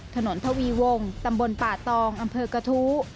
ถนนทวีวงตำบลป่าตองอำเภอกธู